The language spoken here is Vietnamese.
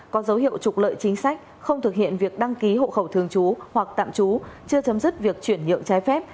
có dấu hiệu trục lợi chính sách không thực hiện việc đăng ký hộ khẩu thường trú hoặc tạm trú chưa chấm dứt việc chuyển nhượng trái phép